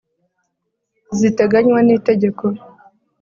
ziteganywa n itegeko